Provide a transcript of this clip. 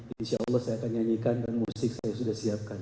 insya allah saya akan nyanyikan dan musik saya sudah siapkan